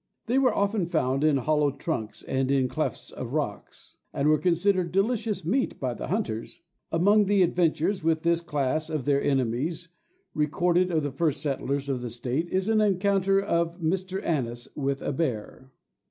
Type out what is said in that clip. They were often found in hollow trunks, and in clefts of rocks, and were considered delicious meat by the hunters. Among the adventures with this class of their enemies recorded of the first settlers of the State, is an encounter of a Mr. Annis with a bear.